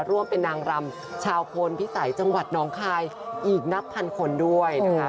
ร่วมเป็นนางรำชาวพลพิสัยจังหวัดน้องคายอีกนับพันคนด้วยนะคะ